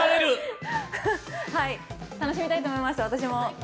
楽しみたいと思います。